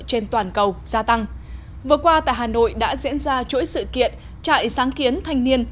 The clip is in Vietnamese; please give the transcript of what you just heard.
trên toàn cầu gia tăng vừa qua tại hà nội đã diễn ra chuỗi sự kiện trại sáng kiến thanh niên